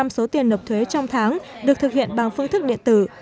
chín mươi năm số tiền nộp thuế trong tháng được thực hiện bằng phương thức điện tử